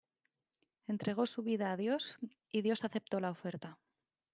Entregó su vida a Dios... y Dios aceptó la oferta.